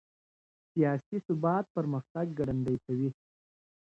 سياسي ثبات پرمختګ ګړندی کوي.